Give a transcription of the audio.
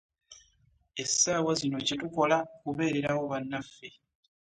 Essaawa zino kye tukola kubeererawo bannaffe.